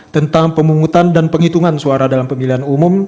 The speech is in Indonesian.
tentang pemungutan dan penghitungan suara dalam pemilihan umum